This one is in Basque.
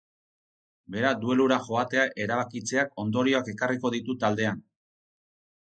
Bera duelura joatea erabakitzeak ondorioak ekarriko ditu taldean.